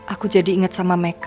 aku jadi inget sama meka